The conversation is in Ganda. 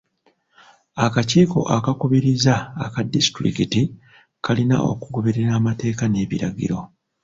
Akakiiko akakubirizi aka disitulikiti kalina okugoberera amateeka n'ebiragiro.